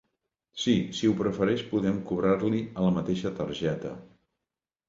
Sí, si ho prefereix podem cobrar-li a la mateixa targeta.